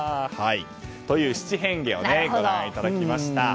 という七変化をご覧いただきました。